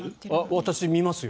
私、見ますよ。